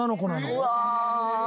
うわ！